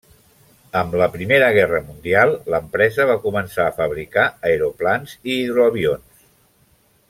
Amb la Primera Guerra Mundial l'empresa va començar a fabricar aeroplans i hidroavions.